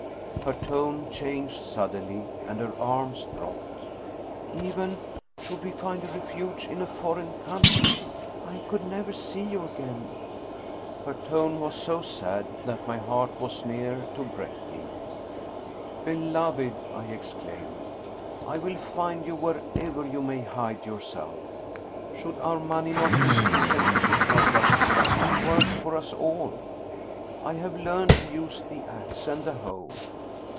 her tone changed suddenly and her arms dropped. " Even should we find a refuge in, a foreign country I could never see you again !" Her tone was so sad that my heart was near to breaking. " Beloved," I exclaimed, " I will find you wherever you may hide yourself! Should our money not be sufficient to support us I can work for us all. I have learned to use the ax and the hoe."